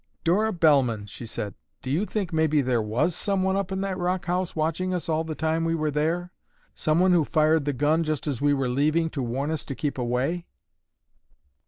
"Dora Bellman," she said, "do you think maybe there was someone up in that rock house watching us all the time we were there; someone who fired the gun just as we were leaving to warn us to keep away?"